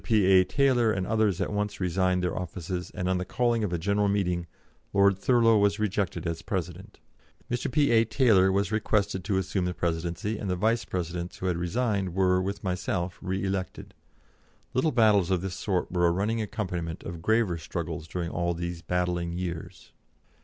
P.A. Taylor and others at once resigned their offices, and, on the calling of a general meeting, Lord Thurlow was rejected as president. Mr. P.A. Taylor was requested to assume the presidency, and the vice presidents who had resigned were, with myself, re elected. Little battles of this sort were a running accompaniment of graver struggles during all these battling years.